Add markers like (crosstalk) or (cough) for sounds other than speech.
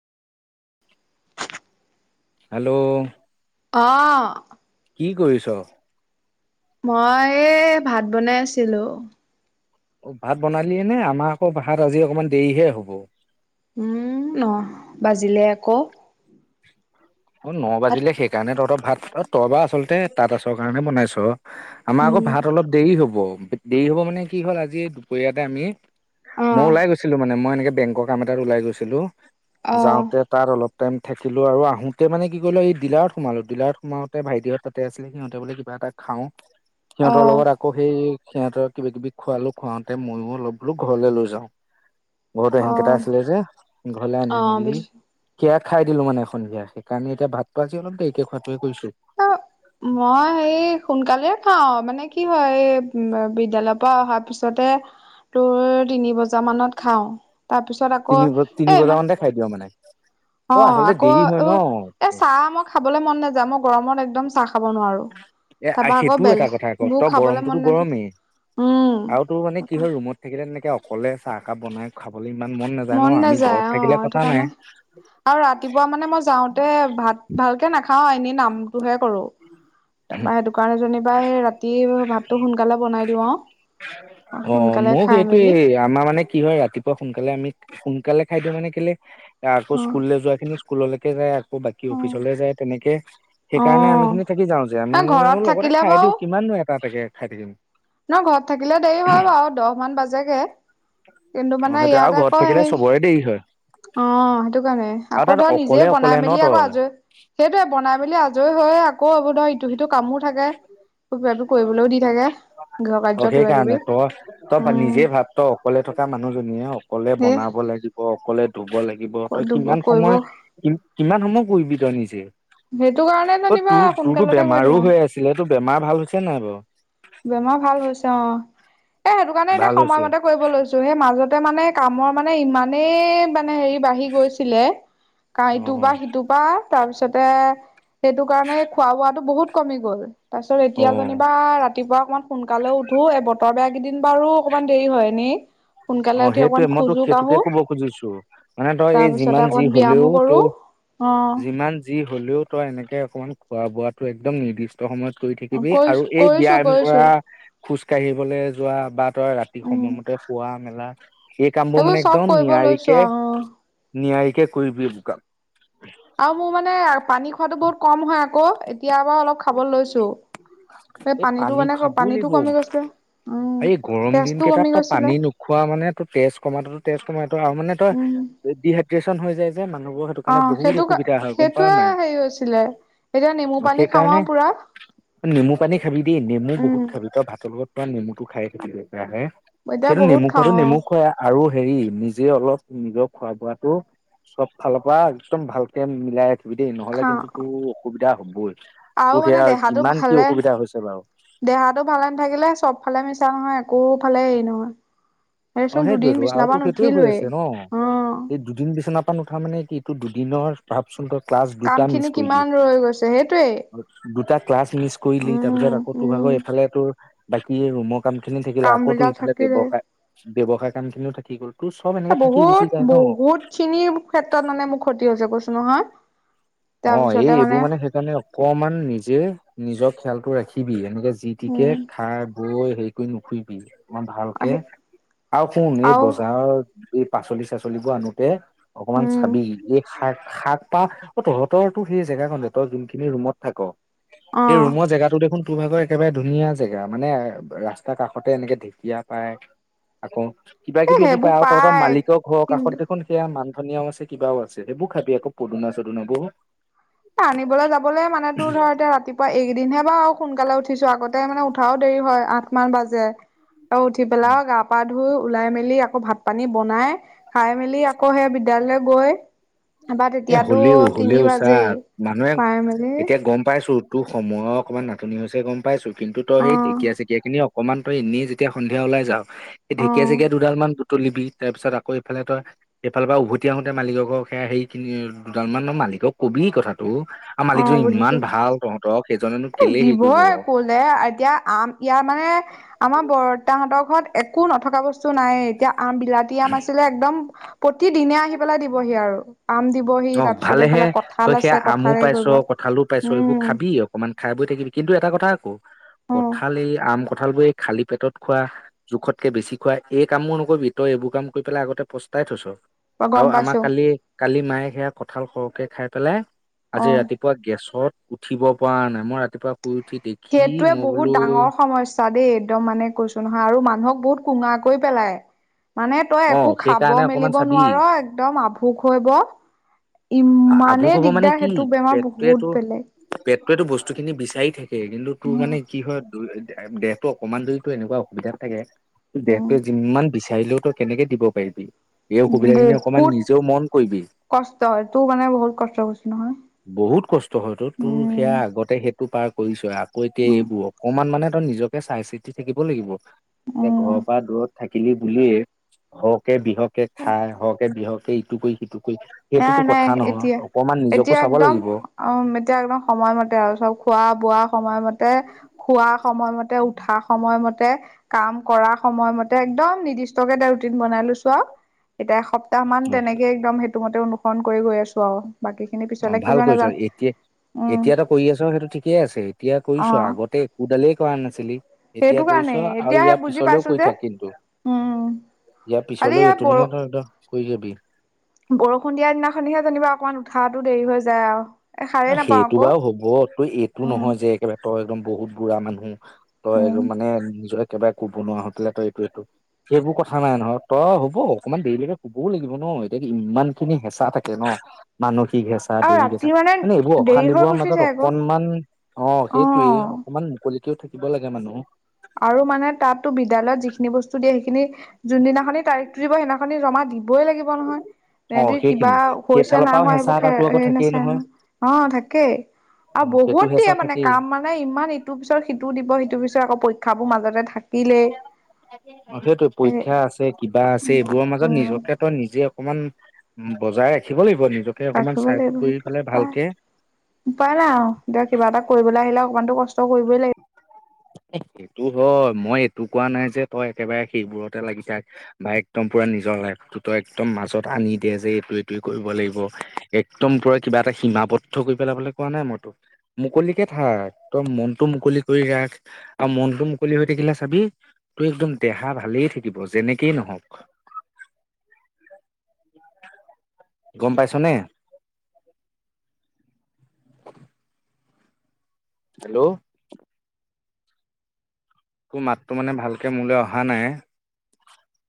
Hello? অ। কি কৰিছ? মই এ ভাত বনাই আছিলো। অ ভাত বনালিয়ে নে আমাৰ আকৌ ভাত আজি অকমান দেৰি হে হ'ব। উম ন বাজিলে আক। অ', ন বাজিলে সেইকাৰণে তহঁতৰ ভাত তই বাৰু আচলতে তাঁত আছৰ কাৰণে বনাইছ। আমাৰ আকৌ উম, ভাত অলপ দেৰি হ'ব, দেৰি হ'ব মানে কি হ'ল আজি দুপৰীয়াতে আমি মই অ', ওলাই গৈছিলো মানে মই এনেকে বেংকৰ কাম এটাত ওলাই গৈছিলো, অ', যাওঁতে তাত অলপ টাইম থাকিলোঁ আৰু আহোঁ তেতিয়া মানে কি কৰিলো এই ডিলাৰত সোমালো ডিলাৰত সোমওতে ভাইটিহঁত তাতে আছিলে সিহঁতে বোলে কিবা এটা খাওঁ সিহঁতৰ অ', লগত আকৌ সেই সিহঁতৰক কিবা কিবি খোৱালো খুৱওঁতে ময়ো অলপ বোলো ঘৰলে লৈ যাওঁ। ঘৰতো সেনকেটা অ', আছিলে যে ঘৰলে আনি অ', মেলি বুজিছো সেয়া খাই দিলো মানে সন্ধিয়া কাৰণ এতিয়া ভাত পোৱাজি অলপ দেৰিকে খোৱাটোৱে কৰিছ অ মই সেই সোনকালে খাও মানে কি কি হয় এই বিদ্যালয়ৰ পৰা অহাৰ পিছতে তোৰ তিনি বজা মানত খাও তাৰপিছত আকৌ তিনি তিনি বজা এমান মানতে খাই দিওঁ মানে অ আচলতে আকৌ দেৰি হয় উ ন এ চাহ মই খাবলৈ মন নাযায় মই গৰমত একদম চাহ খাব নোৱাৰো। এ তাৰপা আকৌ সেইটোও এটা কথা ক বেলেগবোৰ তই খাবলৈ মন গৰমটোতো নাযায়। গৰমেই উম আৰু তোৰ মানে কি তাপা হয় ৰুমত থাকিলে তেনেকে অকলে চাহ একাপ বনাই খাবলৈ ইমান নাযায় ন মন আমি ঘৰত নাযায় অ', থাকিলে কথা সেইটো নাই কাৰণে আৰু ৰাতিপুৱা মানে মই যাওঁতে ভাত ভালকে নাখাওঁ এনে নামটোহে কৰো। তাৰপা সেইটো কাৰণে জনিবা সেই ৰাতি ভাতটো সোনকালে বনাই দিওঁ আওঁ। অ', মোক সেইটোয়ে আমাৰ মানে কি হয় ৰাতিপুৱা সোনকালে আমি সোনকালে খাই দিওঁ মানে কেলে আকৌ অ স্কুললে যোৱা খিনি স্কুললৈকে যায় অ', বাকী অফিচলে যায় তেনেকে অ সেইকাৰণে আমি খিনি থাকি যাওঁ যে ন ঘৰত আমিও লগতে থাকিলে খাই বাৰু দিওঁ কিমান এটা একে খাই থাকিম। ন ঘৰত থাকিলে দেৰি হয় বাৰু দহ মান বাজেগে কিন্তু অ মানে সেইটো আৰু ইয়াত ঘৰত আকৌ থাকিলে হে চবৰে দেৰি হয় অ'। সেইটো কাৰণে আৰু আকৌ তাত ধৰা নিজে অকলে অকলে বনাই ন মেলি আকৌ তই আজৰি সেইটোয়ে বনাই মেলি আজৰি হয় আকৌ হ'ব ন ইটো সিটো কামো থাকে কিবা কিবি কৰিবলৈও দি থাকে গৃহ অ', কাৰ্য কিবা সেইকাৰণে কিবি তই তই উম নিজে ভাৱ তই অকলে থকা মানুহজনীয়ে হ অকলে সেই বনাব লাগিব অকলে ধুব লাগিব তই কিমান কৰিব সময় কি কিমান সময়হ কৰিবি নিজে, সেইটো কাৰণে ত যেনিবা তোৰ তোৰতো সোনকালতে কৰি বেমাৰো দিওঁ আৰু হৈ আছে এইাতো বেমাৰ ভাল হৈছে নাই বাৰু। বেমাৰ ভাল হৈছে অ', এ সেইটো কাৰণে এতিয়া ভাল হৈছে সময়মতে কৰিব লৈছো সেই মাজতে মানে কামৰ মানে ইমানেই মানে হেৰি বাঢ়ি গৈছিলে কাৰ ইটোৰ পা অ', সিটো পা তাৰপিছতে সেইটো কাৰণে খোৱা বোৱাটো বহুত কমি গ'ল তাৰ পিছত এতিয়া অ', যেনিবা ৰাতিপুৱা অকনমান সোনকালেও উঠো এই বতৰ বেয়া কেইদিন বাৰো অকমান দেৰি হয়, এনে অ', সেইটোয়ে মইতো সেইটোকে কব খুজিছো মানে তই তাৰ এই পিছতে যিমান যি অকমান হ'লেও ব্যায়ামো তো কৰো অ যিমান যি হ'লেও তই এনেকে অকমান খোৱা বোৱাটো একদম নিৰ্দিষ্ট সময়ত কৰি থাকিবি আৰু কৰিছো এই কৰিছো ব্যায়াম কৰিছো কৰা খোজ কাঢ়িবলৈ যোৱা বা তই ৰাতি উম সময়মতে শুৱা মেলা এই কামবোৰ এইবোৰ মানে চব একদম কৰিব লৈছো নিয়াৰিকে আৰু অ নিয়াৰিকে কৰিবি এইবোৰ কাম আৰু মোৰ মানে পানী খোৱাতো বহুত কম হয় আকৌ এতিয়া বাৰু অলপ খাব লৈছো এই পানীটো পানী মানে খাবই পানীটো লাগিব কমি গৈছে, উম এই গৰম দিন তেজটো কেইটাত কমি তই পানী গৈছিলে। নোখোৱা মানে টোৰ তেজ কমাটো তেজ কমা আৰু মানে তই উম ডিহাইড্ৰেচনত মানুহবোৰৰ সেইটো অ কাৰণে বহুত সেইটো অসুবিধা হয় গম পাও সেইটোয়ে নাই, হেৰি হৈছিলে। এতিয়া নেমু অ', পানী সেই খাওঁ কাৰণে আৰু পুৰা নেমু পানী খাবি দেই নেমু বহুত খাবি উম তই ভাত লগত তই নেমুটো খাই থাকিবি একেৰাহে এতিয়া সেইটো বহুত নেমু খোৱাটো খাওঁ অ নেমু খুৱাই আৰু হেৰি নিজে অলপ নিজৰ খোৱা বোৱাটো চব ফালৰ পৰা একদম ভালকে মিলাই ৰাখি চাবি দেই নহ'লে খাওঁ কিন্তু তোৰ অসুবিধা হ'বই। তোৰ আৰু মানে সেয়া দেহাটো কিমান কি ভালে, অসুবিধা হৈছে বাৰু দেহাটো ভালে নাথাকিলে চব ফালে মিছা নহয়। কো ফালে হেৰি নহয়। অ দেচোন দুদিন সেইটোয়েতো বিচনাৰ আৰুটো পৰা সেইটোয়ে হৈ নুঠিলোৱেই আছে ন অ এই দুদিন বিচনা পা নুঠা মানে কি? তো দুদিনৰ ভাবচোন তই ক্লাছ কাম দুটা মিচ খিনি কৰিলি কিমান ৰৈ গৈছে সেইটোৱেই দুটা। ক্লাছ মিছ কৰিলি তাৰপিছত উম আকৌ তোৰ ভাগৰ উম এইফালে তোৰ বাকী ৰুমক। কাম খিনি থাকিলে কাম আকৌতো বিলাক ইফালে থাকিলে। ব্যৱসায়। ব্যৱসায় কাম খিনিও থাকি গ'ল তোৰ চব এনেকে থাকি গুচি যায় বহুত ন। বহুত খিনিৰ ক্ষেত্ৰত মানে মোৰ ক্ষতি হৈছে কৈছো। নহয়। অ' এই এইবোৰ মানে সেইকাৰণে অকমান নিজে নিজৰ খেয়াল ৰাখিবি এনেকে যি টিকে উম খাই বৈ হেৰি কৰি নুফুৰিবি ইমান ভালকে আহি আৰু শুন এই আৰু বজাৰৰ এই পাচলি চাচলিবোৰ আনোতে অকমান উম চাবি এই শাক পাত অ', তহঁতৰ তো সেই জেগাখন হঁতৰ যোনখিনি ৰুমত থাক অ সেই ৰুমৰ জেগাটো দেখোন টো ভাগৰ একেবাৰে ধুনীয়া জেগা মানে ৰাস্তাৰ কাষতে এনেকে ঢেঁকীয়া পায়, আকৌ কিবা এই কিবি এইবোৰ সেইবোৰ পায় আৰু তহঁতৰ পাই মালিকৰ ঘৰৰ কাষত কিন্তু দেখোন সেয়া মান ধনীয়াও আছে কিবাও আছে সেইবোৰ খাবি আকৌ পদুনা চদুনাবোৰ। আনিবলৈ যাবলৈ মানে তোৰ ধৰ এতিয়া ৰাতিপুৱা একেদিনহে বাৰু সোনকালে উঠিছো আগত। মানে উঠাও দেৰি হয় আঠ মান বাজে আৰু উঠি পেলাইও গা পা ধুই ওলাই মেলি আকৌ ভাত পানী বনাই খাই মেলি আকৌ সেই বিদ্যালয়লৈ গৈ। আবাৰ এ তেতিয়াতো হ'লেও হ'লেও তিনি চা বাজেই। মানুহে পাই মেলি এতিয়া গম পাই। পাইছো তোৰ সময়ৰ অকণমান নাটনি হৈছে গম পাইছো কিন্তু তইে এই অ ঢেকীয়া চেকীয়া খিনি অকমান তই এনেই যেতিয়া। সন্ধিয়া ওলাই যা এই অ ঢেকীয়া চেকীয়া দুডাল মান দুুটলিবি তাৰ পিছত আকৌ এইফালে তই এইফালৰ পৰা উভতি আহ আহোঁতে মালিকৰ ঘৰৰ এয়া সেই খিনি দুডাল মান মালিকক কবি কথাটো আৰু মালিকজন ইমান ভাল তহঁতক সেইজন এ দিবই কলে এতিয়া আম ইয়াৰ মানে। আমাৰ বৰ্তাহতৰ ঘৰত একো নথকা বস্তু তো নাই এতিয়া আম বিলাতি আম আছিলে একদম প্ৰতিদিনে আহি পেলাই দিবহি আৰু আম দিবহি। তাৰ অ' পিছত ভালেহে এইফালে কঁঠাল তই আছে সেয়া আমো কঁঠাল হেৰি পাইছ কৰিব কঁঠালো পাইছ এইবোৰ উম খাবি অকমান। খাই বৈ থাকিবি কিন্তু এটা কথা আকৌ কঠাল এই আম কঁঠাল বোৰ এই খালী পেটত খোৱা জোখতকে বেছি খোৱাই। এই কামবোৰ নকৰিবি তই এইবোৰ কাম কৰি পেলাই আগতে পস্তাই থৈছ। অ গম আৰু আমাৰ পাইছো কালি কালি মায়ে সেয়া কঁঠাল সৰহকে খাই পেলাই। অ আজি ৰাতিপুৱা গেছত উঠিব পৰা নাই। মই ৰাতিপুৱা শুই উঠি দেখি সেইটোৱে মই বোলো বহুত ডাঙৰ সমস্যা দেই একদম মানে কৈছো নহয় আৰু মানুহক বহুত। কোঙাকৈ পেলাই। মানে তই অ একো খাব সেইকাৰণে অকমান মেলিব চাবি নোৱাৰ একদম আভোক হৈব। আভুক ইমানেই হব মানে দিগদাৰ কি সেইটো বেমাৰ বহুত বেলেগ। তেতো বস্তু খিনি বিচাৰি থাকে কিন্তু তোৰ মানে কি হয় দেহতটো অকনমান দৰিতো এনেকুৱা অসুবিধাত থাকে উম, দেহটোৱে যিমান বি বিচাৰিলে কেনেকে দিব পাৰিবি এই অসুবিধাখিনি অকমান বহুত নিজেও মন কৰিবি। তোৰ মানে বহুত কষ্ট কৰিছ। বহুত কষ্ট হয়তো তোৰ উম, সেয়া আগতে সেইটো পাৰ কৰিছ আকৌ এতিয়া উম, এইবোৰ অকমান মানে নিজকে চাই চিতি থাকিব লাগিব এতিয়া উম, ঘৰৰ পৰা দূৰত থাকিলি বুলিয়েই হওক কে বিহকে খাই সৰহকে বিহকে এইটো কৰি সিটো কৰি নাই সেইটোতো নাই কথা নহয় এতিয়া অকণমান নিজক এতিয়া একদম উম এতিয়া একদম সময়মতে আৰু চব খোৱা বোৱা সময়মতে খোৱা সময়মতে উঠা সময়মতে কাম কৰা সময়মতে একদম নিৰ্দিষ্ট কে ৰুটিন বনাই লৈছো আৰু এতিয়া তাহামান অ তেনেকে একদম সেইটোমতে অনুসৰণ কৰি গৈ আছো। আৰু বাকী খিনি অ' পিছলে কি ভাল হয় কৰিছ নাজানো এতিয়া উম, এতিয়াতো কৰি আছ সেইটো ঠিকেই আছে এতিয়া কৈছ অ', আগতে একোডালেই কৰা নাছিলি। সেইটো এতিয়া কৈছ কাৰণে আৰু এতিয়াহে ইয়াৰ বুজি পিছলেও পাইছো কৈ যে। থাক কিন্তু। উম। ইয়াৰ আজি পিছলৈও ইয়াত এইটো বৰ মানে ত কৈ যাবি। বৰষুণ দিয়া দিনাখনিহে যেনিবা অকণমান উঠাহটো দেৰি হৈ যায় আৰ সেইটো বাৰু হ'ব তই এইটো উম নহয় যে একেবাৰে তই একদম, বহুত বুঢ়া মানুহ, তই উম। মানে নিজৰ একেবাৰে কব নোৱাৰা হৈ পেলাই তই এইটো সেইটো সেইবোৰ কথা নাই নহয়, তই হ'ব অকনমান দেৰিলৈকে কবও লাগিব ন এতিয়া ইমান খিনি হেঁচা থাকে ন। মানশিক হেচা আৰু দৈহিক ৰাতি হেচা। মানে এইবোৰ দেৰি হৈ অশান্তিবোৰৰ গুচি মাজত যায় আকৌ। অকনমান অ সেইটোৱে অ'। অকনমান মুকলি, কও থাকিব লাগে মানুহ? আৰু মানে তাতো বিদ্যালয়ত যিখিনি বস্তু দিয়ে সেইখিনি যোনদিনাখনি তাৰিখতো দিব সেইদিনাখন হেনাখনে জমা দিবই লাগিব নহয়। অ সহতি কিবা সেইখিনি হৈছে সেইফালৰ নাই পৰাও হোৱা হেঁচা সেইবোৰ এটাতো আকৌ হেৰি থাকেই নাচায় নহয়। অ থাকেই। অ আৰু সেইটো বহুত হেঁচা দিয়ে মানে থাকেই কাম মানে ইমান ইটোৰ পিছত সিটো দিব সিটোৰ পিছত আকৌ পৰীক্ষাবোৰ মাজতে থাক সেইটো এ পৰীক্ষা আছে কিবা আছে এইবোৰৰ মাজত উম নিজকে তই নিজে অকমান বজাই ৰাখিব লাগিব। নিজকে অকমান ৰাখিব চাইড লাগিব কৰি সেইটো পেলাই উপায় ভালকে উপায় নাই আৰু এতিয়া কিবা এটা কৰিবলৈ আহিলে অকমানটো কষ্ট কৰিবই লাগিব। (inaudible) সেইটো হয়, মই এইটো কোৱা নাই যে তই একেবাৰে সেইবোৰতে লাগিছ বা একদম পুৰা নিজ- লাইফটো একদম মাজত আনি দিয়ে যে এইটো এইটোৱে কৰিব লাগিব একদম পৰে কিবা এটা সীমাত, আৱদ্ধ কৰি পেলাবলৈ কোৱা নাই মই তোক, মুকলিকে থাক তই মন, টো মুকলি কৰি ৰাখ আৰু মনটো মুকলি হৈ থাকিলে চাবি। তোৰ একদম দেহা ভালেই থাকিব যেনেকেই নহওক গম পাইছনে? হেল্ল' তো মাতটো মানে ভালকে মোলৈ অহা নাই।